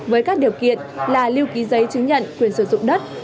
với các điều kiện là lưu ký giấy chứng nhận quyền sử dụng đất